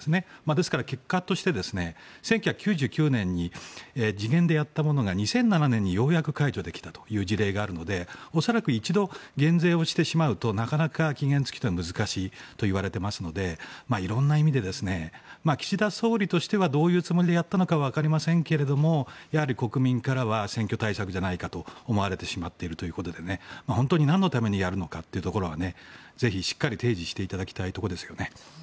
ですから結果として１９９９年に時限でやったものが２００７年にようやく解除できたということがあるので恐らく一度減税をしてしまうとなかなか期限付きというのは難しいといわれていますので色んな意味で、岸田総理としてはどういうつもりでやったのかはわかりませんけれども国民からは選挙対策じゃないかと思われてしまっているということで本当になんのためにやるのかということはぜひしっかり提示していただきたいところですよね。